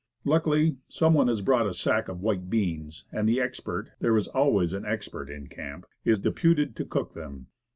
Luckily, some .one has brought a sack of white beans, and the expert there is always an expert in camp is deputed to cook them.